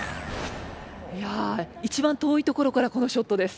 いやいちばん遠いところからこのショットです。